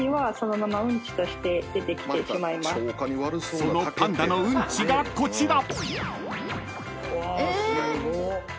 ［そのパンダのウンチがこちら！］